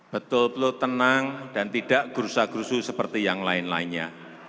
betul betul tenang dan tidak gerusa gerusu seperti yang lain lainnya